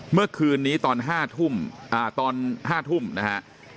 เมื่อคืนนี้ตอน๕ทุ่มตอน๕ทุ่มนะฮะ